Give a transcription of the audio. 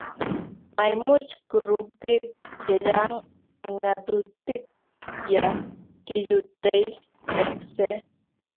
maimuch kurub biik chechang' ng'atutik ya kichutei teksee